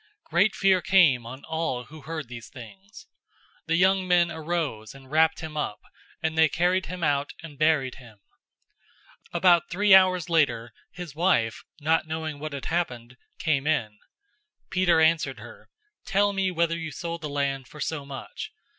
Great fear came on all who heard these things. 005:006 The young men arose and wrapped him up, and they carried him out and buried him. 005:007 About three hours later, his wife, not knowing what had happened, came in. 005:008 Peter answered her, "Tell me whether you sold the land for so much."